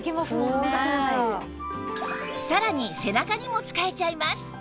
さらに背中にも使えちゃいます